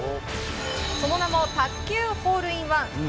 その名も卓球ホールインワン。